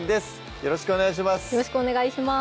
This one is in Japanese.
よろしくお願いします